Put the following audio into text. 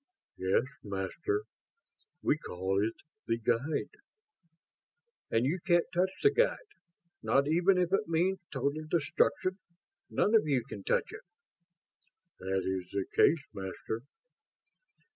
"Yes, Master. We call it the 'Guide'." "And you can't touch the Guide. Not even if it means total destruction, none of you can touch it." "That is the case, Master."